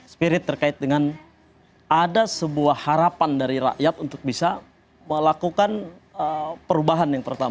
spirit terkait dengan ada sebuah harapan dari rakyat untuk bisa melakukan perubahan yang pertama